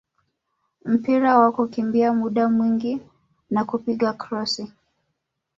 mpira wa kukimbia muda mwingi na kupiga krosi